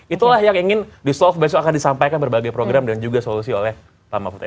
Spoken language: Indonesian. itulah yang ingin disolves besok akan disampaikan berbagai program dan juga solusi oleh pak mahfud md